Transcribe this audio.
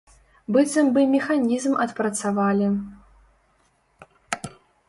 Быццам бы механізм адпрацавалі.